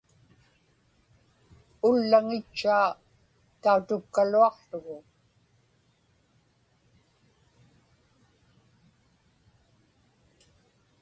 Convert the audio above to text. Ullaŋitchaa tautukkaluaqługu.